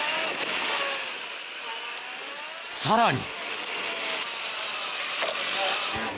さらに。